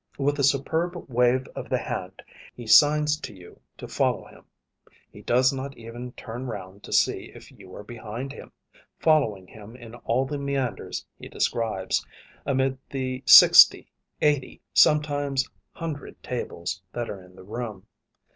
With a superb wave of the hand, he signs to you to follow him. He does not even turn round to see if you are behind him, following him in all the meanders he describes, amid the sixty, eighty, sometimes hundred tables that are in the room.